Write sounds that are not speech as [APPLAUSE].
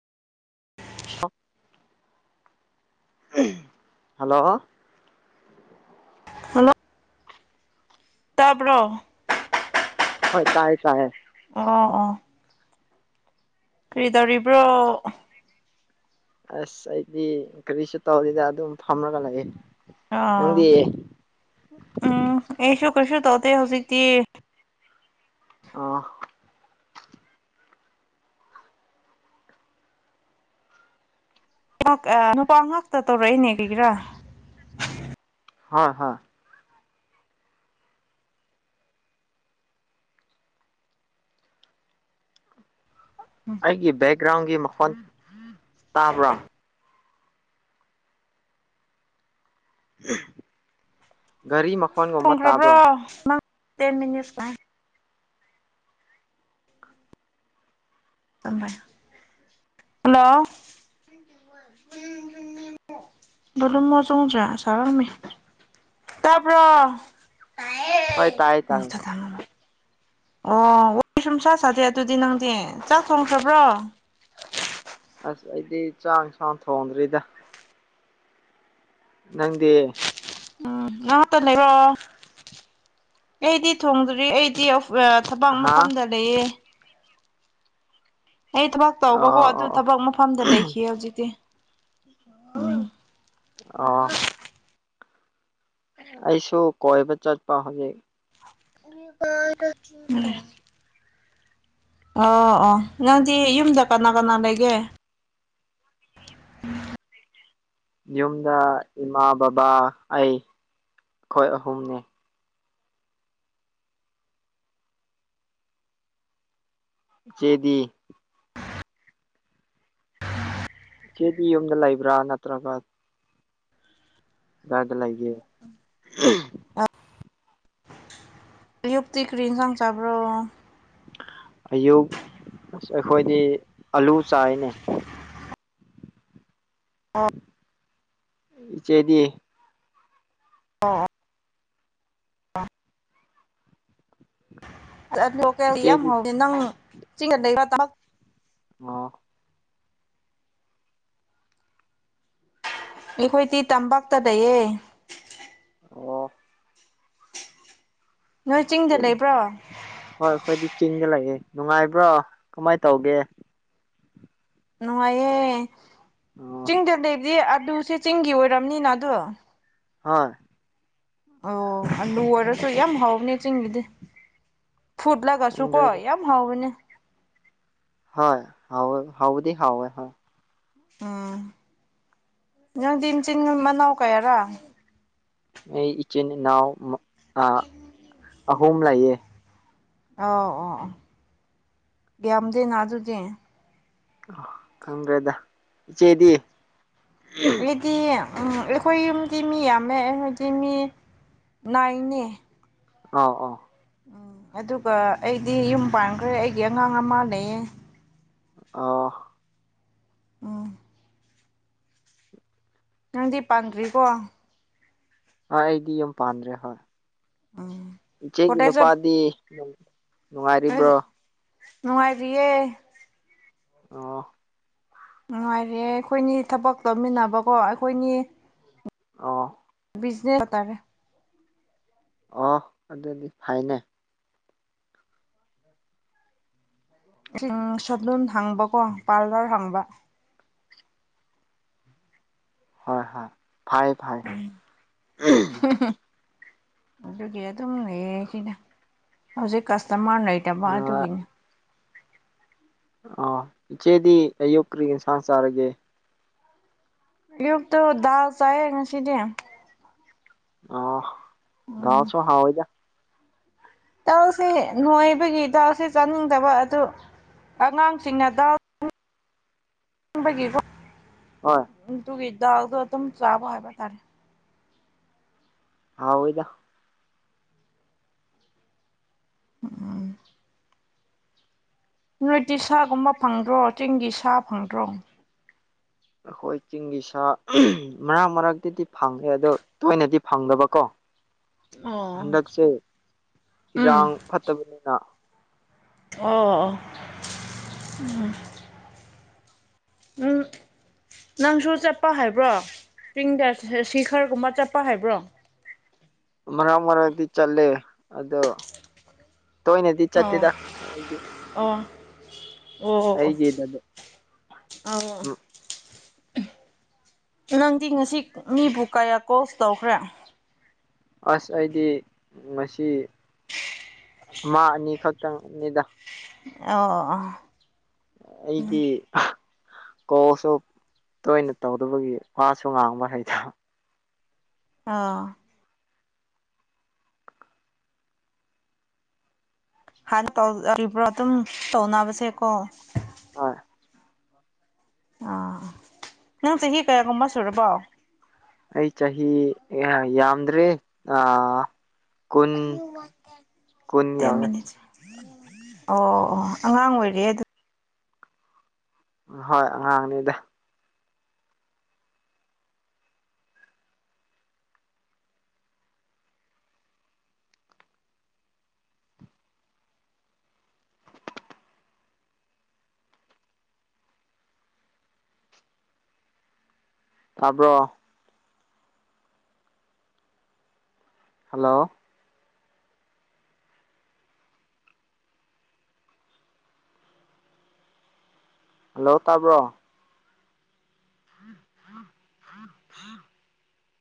Hello. Hello. ꯇꯄ꯭ꯔꯣ꯫ ꯍꯣꯏ ꯇꯥꯏ ꯇꯥꯏ꯫ ꯑꯣ ꯑꯣ꯫ ꯀꯔꯤ ꯇꯧꯔꯤꯕ꯭ꯔꯣ꯫ ꯑꯁ ꯑꯩꯗꯤ ꯀꯔꯤꯁꯨ ꯇꯧꯔꯤꯗ ꯑꯗꯨꯝ ꯐꯝꯂꯒ ꯂꯩꯑꯦ꯫ ꯑ ꯎꯝ ꯑꯦꯁꯨ ꯀꯁꯨ ꯇꯇꯩ ꯍꯧꯖꯤꯛꯇꯤ꯫ ꯑꯥ꯫ ꯉꯥ ꯅꯨꯄꯥ ꯉꯥꯛꯇ ꯇꯧꯔꯛꯏꯅꯦ ꯀꯩꯒꯤꯔꯥ꯫ ꯍꯣꯏ ꯍꯣꯏ꯫ ꯑꯩꯒꯤ ꯕꯦꯛꯒ꯭ꯔꯥꯎꯟꯒꯤ ꯃꯈꯣꯟ ꯇꯥꯕ꯭ꯔꯥ꯫ ꯒꯥꯔꯤ ꯃꯈꯣꯟꯒꯨꯝꯕ ꯇꯥꯕ꯭ꯔꯣ꯫ ꯇꯦꯟꯃꯤꯅꯤꯠ꯫ ꯍꯜꯂꯣ꯫ [UNINTELLIGIBLE] [UNINTELLIGIBLE] ꯇꯥꯄꯔꯣ꯫ ꯍꯣꯏ ꯇꯥꯏꯌꯦ ꯇꯥꯏ꯫ ꯑꯣ ꯋꯥꯔꯤ ꯁꯨꯝ ꯁꯥꯥ ꯁꯥꯗꯦ ꯑꯗꯨꯗꯤ ꯅꯪꯗꯤ ꯆꯥꯛ ꯊꯣꯡꯈ꯭ꯔꯕ꯭ꯔꯣ꯫ ꯑꯁ ꯑꯩꯗꯤ ꯆꯥꯛ ꯏꯪꯁꯥꯡ ꯊꯣꯡꯗ꯭ꯔꯤꯗ꯫ ꯅꯪꯗꯤ꯫ ꯎꯝ ꯉꯥꯛꯇ ꯂꯩꯔꯣ ꯑꯩꯗꯤ ꯊꯣꯡꯗ꯭ꯔꯤ ꯑꯩꯗꯤ꯫ ꯊꯕꯛ ꯍꯥ ꯃꯐꯝꯗ ꯂꯩꯌꯦ꯫ ꯑꯩ ꯊꯕꯛ ꯇꯧꯕꯀꯣ ꯑꯣ ꯑꯣ ꯑꯗꯨ ꯑꯣ ꯊꯕꯛ ꯃꯐꯝꯗ ꯂꯩꯈꯤ ꯍꯧꯖꯤꯛꯇꯤ ꯎꯝ꯫ ꯑꯣ꯫ ꯑꯩꯁꯨ ꯀꯣꯏꯕ ꯆꯠꯄ ꯍꯧꯖꯤꯛ꯫ [UNINTELLIGIBLE] ꯑꯣ ꯑꯣ ꯅꯪꯗꯤ ꯌꯨꯝꯗ ꯀꯅꯥ ꯀꯅꯥ ꯂꯩꯒꯦ꯫ ꯎꯝ꯫ ꯌꯨꯝꯗ ꯏꯃꯥ ꯕꯕꯥ ꯑꯩ ꯑꯩꯈꯣꯏ ꯑꯍꯨꯝꯅꯤ ꯆꯦꯗꯤ ꯀꯦꯗꯤ ꯌꯨꯝꯗ ꯂꯩꯕ꯭ꯔꯥ ꯅꯠꯇ꯭ꯔꯒ ꯗꯔꯗ ꯂꯥꯏꯦ ꯌꯨꯇ ꯀꯔꯤꯟ ꯆꯪꯆꯥꯕ꯭ꯔꯣ ꯑꯌꯨꯛ ꯑꯁ ꯑꯩꯈꯣꯏꯗꯤ ꯑꯂꯨ ꯆꯥꯏꯅꯦ ꯆꯦꯗꯤ ꯑꯥ [INAUDIBLE] ꯑ ꯂꯦ ꯏꯆꯦꯗꯤ ꯆꯗ [INAUDIBLE] ꯑ [UNINTELLIGIBLE] [INAUDIBLE] ꯑꯩꯈꯣꯏꯗꯤ ꯇꯄꯥꯛꯛꯇ ꯂꯩꯌꯦ ꯑꯣ ꯅꯣꯏ ꯆꯤꯡꯗ ꯂꯩꯕ꯭ꯔꯣ ꯍꯣꯏ ꯑꯩꯣꯏꯗꯤ ꯆꯤꯡꯖ ꯂꯒꯦ ꯅꯨꯡꯉꯥꯏꯕ꯭ꯔꯣ ꯀꯃꯥꯏꯅ ꯇꯧꯒꯦ ꯅꯨꯡꯉꯥꯏꯌꯦ ꯑꯣ ꯆꯤꯡꯗ ꯂꯩꯗꯤ ꯑꯗꯨꯁꯦ ꯆꯤꯡꯒꯤ ꯑꯣꯏꯔꯕꯅꯤꯅ ꯑꯗꯣ ꯍꯥ ꯑꯣ ꯑꯂꯨ ꯑꯣꯏꯔꯁꯨ ꯌꯥꯝ ꯍꯥꯎꯅꯦ ꯆꯤꯡꯒꯤꯗꯤ ꯐꯨꯠꯂꯒꯁꯨꯀꯣ ꯈꯪꯗ꯭ꯔꯦꯗ ꯌꯥꯝ ꯍꯥꯎꯕꯅꯦ ꯍꯣꯏ ꯍꯥꯎ ꯍꯥꯎꯗꯤ ꯍꯥꯎꯣꯏ ꯍ ꯎꯝ ꯅꯪꯗꯤꯤꯟ ꯆꯤꯟꯒꯨꯝ ꯃꯅꯥꯎ ꯀꯌꯥꯔꯥ ꯑꯩ ꯏꯆꯤꯟ ꯏꯅꯥꯎ ꯑꯍꯨꯝ ꯂꯩꯌꯦ ꯑ ꯑꯣ ꯌꯥꯝꯗꯦꯅ ꯑꯗꯨꯗꯤ ꯈꯪ꯭ꯔꯦꯗ ꯆꯦꯗꯤꯑꯦ ꯂꯩꯗꯤ [UNINTELLIGIBLE] ꯎꯝ ꯑꯩꯈꯣꯏ ꯌꯨꯝꯗꯤ ꯃꯤ ꯌꯥꯝꯃꯦ ꯍꯥꯏꯣꯏꯗꯤ ꯃꯤ ꯅꯥꯏꯅꯦ ꯑ ꯑ [UNINTELLIGIBLE] [INAUDIBLE] ꯎꯝ ꯑꯗꯨꯒ ꯑꯩꯗꯤ ꯌꯨꯝ ꯄꯥꯟꯈ꯭ꯔꯦ ꯑꯩꯒꯤ ꯑꯉꯥꯡ ꯑꯃ ꯂꯩꯌꯦ ꯑ [UNINTELLIGIBLE] [INAUDIBLE] ꯑ [UNINTELLIGIBLE] [INAUDIBLE] ꯅꯪꯗꯤ ꯄꯥꯟꯗ꯭ꯔꯤꯀꯣ ꯍꯣꯏ ꯑꯩꯗꯤ ꯌ ꯄꯥꯟꯗ꯭ꯔꯦ ꯍꯣꯏ ꯏꯆꯦꯒꯤ ꯀꯣꯂꯦꯖ ꯅꯨꯄꯥꯗꯤ ꯅꯨꯡꯉꯥꯏꯔꯤꯕ꯭ꯔꯣ ꯅꯨꯡꯉꯥꯏꯔꯤꯌꯦꯌꯦ ꯑꯣ ꯅꯨꯡꯉꯥꯏꯔꯦ ꯑꯩꯈꯣꯏꯅꯤ ꯊꯕꯛ ꯂꯧꯃꯤꯟꯅꯕꯀꯣ ꯑꯩꯈꯣꯏꯅꯤ ꯑ [UNINTELLIGIBLE] [INAUDIBLE] ꯕꯤꯖꯤꯅꯦꯁꯇꯥꯔꯦ ꯑ ꯑꯗꯨ ꯑꯗꯨꯗꯤ ꯐꯥꯏꯅꯦ ꯁꯗꯨꯟ ꯍꯪꯕꯀꯣ ꯄꯥꯔꯂꯔ ꯍꯪꯕ ꯍꯣꯏ ꯍꯣꯏ ꯐꯥꯏ ꯐꯥꯏ ꯒꯗ ꯀꯅ ꯍꯧꯖꯤꯛ ꯀꯥꯁ ꯁꯃꯥꯟꯅ ꯂꯩꯇꯕ ꯑꯗꯨꯒꯤꯅꯦ ꯑ ꯏꯆꯦꯗꯤ ꯑꯌꯨꯛ ꯀꯔꯤꯟꯁꯥꯡ ꯆꯥꯔꯒꯦ ꯌꯨꯕꯛꯇꯗꯥ ꯆꯑ ꯉ ꯁꯤꯗꯤ ꯑ ꯁꯨꯣ ꯍꯥꯎ ꯑꯣꯏ ꯑꯣꯏꯗ ꯗꯥꯎꯁꯦ ꯅꯣꯏꯕꯒꯤ ꯗꯥꯎꯁꯦ ꯆꯥꯅꯤꯡꯗꯕ ꯑꯗꯨ ꯑꯉꯥꯡꯁꯤꯡꯅꯗ ꯒꯤꯀꯣ ꯍꯣꯏ ꯑꯗꯨ ꯑꯗꯨꯒꯤ ꯗꯥꯎꯗꯣ ꯑꯗꯨꯝ ꯆꯥꯕ ꯍꯥꯏꯕ ꯇꯥꯔꯦ ꯍꯥꯎ ꯑꯣꯏꯣꯏꯗ ꯑ ꯅꯨꯃꯤꯠꯇꯤ ꯁꯥꯒꯨꯝꯕ ꯐꯪꯗ꯭ꯔꯣ ꯆꯤꯡꯒꯤ ꯁꯥ ꯐꯪꯗ꯭ꯔꯣ ꯑꯣ ꯑꯩꯈꯣꯏ ꯆꯤꯡꯒꯤ ꯁꯥ ꯃꯔꯛ ꯃꯔꯛꯇꯗꯤ ꯐꯪꯉꯦ ꯑꯗꯣ ꯇꯣꯏꯅꯗꯤ ꯐꯪꯗꯕꯀꯣ ꯑꯣ ꯍꯟꯗꯛꯁꯦ ꯑꯣ ꯏꯔꯥꯡ ꯐꯠꯇꯕꯅꯤꯅ ꯑꯣ ꯎ ꯎꯝ ꯅꯪꯁꯨ ꯆꯠꯄ ꯍꯥꯏꯕ꯭ꯔꯣ ꯆꯤꯡꯗ ꯁꯤ ꯈꯔꯒꯨꯝꯕ ꯆꯠꯄ ꯍꯥꯏꯕ꯭ꯔꯣ ꯃꯔꯛ ꯃꯔꯥꯡꯗꯤ ꯆꯠꯂꯦ ꯑꯗꯣ ꯇꯣꯏ ꯅꯗꯤ ꯆ ꯑꯣ ꯇꯗ ꯑꯣ ꯑꯣ ꯑ ꯅꯪꯗꯤ ꯉꯁꯤ ꯃꯤꯕꯨ ꯀꯌꯥ ꯀꯣꯁ ꯇꯧꯈ꯭ꯔꯦ ꯑꯁ ꯍꯥꯏꯗꯤ ꯃꯁꯤ ꯃꯥ ꯑꯅꯤ ꯈꯛꯇꯪꯅꯤꯗ ꯑꯣ ꯑꯩꯗꯤ ꯀꯣꯁꯨ ꯇꯣꯏꯅ ꯇꯧꯗꯕꯒꯤ ꯃꯥꯁꯨ ꯉꯥꯡꯕ ꯍꯩꯗ ꯑꯥ ꯍꯥꯟꯅ ꯇꯧꯔꯤꯕ꯭ꯔꯣ ꯑꯗꯨꯝ ꯇꯧꯅꯕꯁꯦ ꯀꯣ ꯍꯣꯏ ꯑꯥ ꯅꯪ ꯆꯍꯤ ꯀꯌꯥꯒꯨꯝꯕ ꯁꯨꯔꯕꯣ ꯑꯩ ꯆꯍꯤ ꯌꯥꯝꯗ꯭ꯔꯦ ꯑ ꯇꯔ ꯌꯧꯔꯦ ꯃꯤꯅꯤꯁꯦ ꯑꯣ ꯑꯣ ꯑꯉꯥꯡ ꯑꯣꯏꯔꯦ ꯑꯗꯨ ꯍꯣꯏ ꯑꯉꯥꯡꯅꯤꯗ ꯇꯄ꯭ꯔꯣ ꯍꯜꯂꯣ ꯍꯜꯂꯣ ꯇꯥꯕ꯭ꯔꯣ ꯑ ꯑ ꯑ